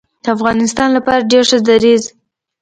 د افغانستان لپاره ډیر ښه دریځ